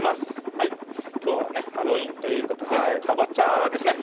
きょうはねハロウィンということでかぼちゃですね